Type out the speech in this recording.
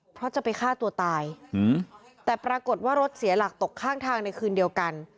เพราะจะไปฆ่าตัวตายแต่ปรากฏว่ารถเสียหลักตกข้างทางในคืนเดียวกัน